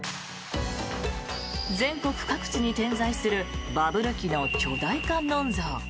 全国各地に点在するバブル期の巨大観音像。